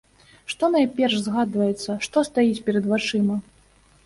Што найперш згадваецца, што стаіць перад вачыма?